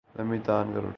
لمبی تان کر اُٹھی